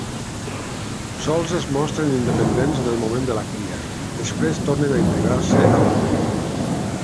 Sols es mostren independents en el moment de la cria, després tornen a integrar-se a la volior.